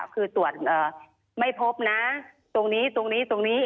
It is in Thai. คือตรวจไม่พบนะตรงนี้ตรงนี้ตรงนี้